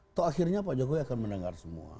atau akhirnya pak jokowi akan mendengar semua